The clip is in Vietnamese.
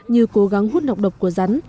như cố gắng hút nọc độc của rắn